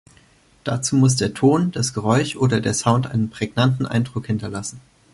Dazu muss der Ton, das Geräusch oder der Sound einen prägnanten Eindruck hinterlassen.